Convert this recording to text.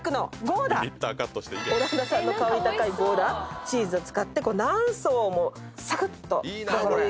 オランダ産の香り高いゴーダチーズを使って何層もサクッと。